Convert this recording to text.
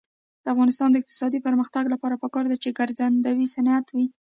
د افغانستان د اقتصادي پرمختګ لپاره پکار ده چې ګرځندوی صنعت وي.